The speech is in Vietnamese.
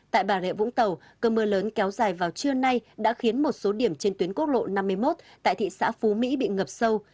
tại bà rịa vũng tàu cơn mưa lớn kéo dài vào trưa nay đã khiến một số điểm trên tuyến quốc lộ năm mươi một tại thị xã phú mỹ bị ngập sâu